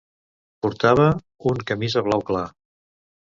Portava un camisa blau clar.